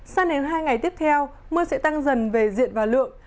sang đến hai ngày tiếp theo mưa sẽ tăng dần về diện và lượng